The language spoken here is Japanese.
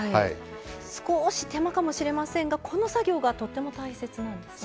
少し手間かもしれませんがこの作業がとっても大切なんですね。